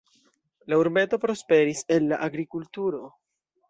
La urbeto prosperis el la agrikulturo.